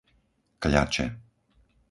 Kľače